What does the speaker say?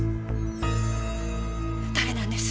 誰なんです？